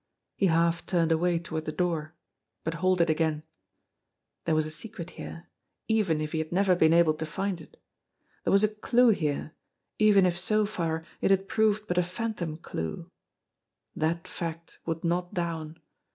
He half turned away toward the door, but halted again. There was a secret here even if he had never been able to find it. There was a clue here even if so far it had proved but a phantom clue. That fact would not down.